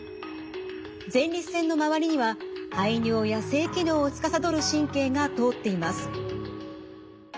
前立腺の周りには排尿や性機能をつかさどる神経が通っています。